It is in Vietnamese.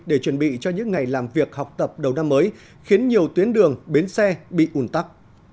để chuẩn bị cho những ngày làm việc học tập đầu năm mới khiến nhiều tuyến đường bến xe bị ủn tắc